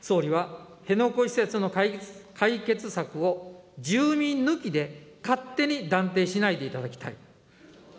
総理は辺野古移設の解決策を住民抜きで勝手に断定しないでいただきたい。